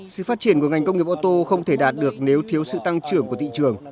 sự phát triển của ngành công nghiệp ô tô không thể đạt được nếu thiếu sự tăng trưởng của thị trường